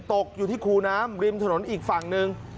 ตกอยู่ที่คูน้ำริมถนนอีกฝั่งหนึ่ง